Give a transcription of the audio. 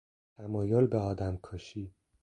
تمایل به آدمکشی